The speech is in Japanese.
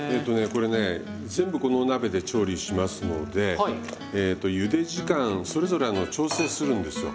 これね全部このお鍋で調理しますのでゆで時間それぞれ調整するんですよ。